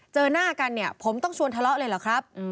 เจอหน้ากันเนี่ยผมต้องชวนทะเลาะเลยเหรอครับ